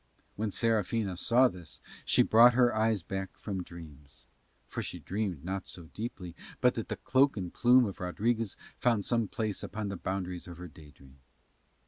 When Serafina saw this she brought her eyes back from dreams, for she dreamed not so deeply but that the cloak and plume of Rodriguez found some place upon the boundaries of her day dream.